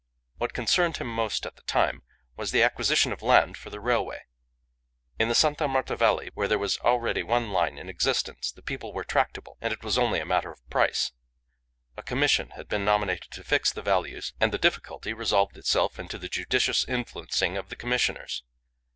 What concerned him most at the time was the acquisition of land for the railway. In the Sta. Marta Valley, where there was already one line in existence, the people were tractable, and it was only a matter of price. A commission had been nominated to fix the values, and the difficulty resolved itself into the judicious influencing of the Commissioners.